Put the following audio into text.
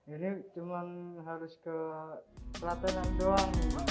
ini cuma harus ke pelatenan doang